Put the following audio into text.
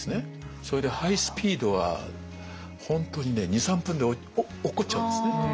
それでハイスピードは本当にね２３分で落っこっちゃうんですね。